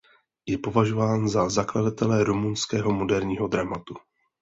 Je považován za zakladatele rumunského moderního dramatu.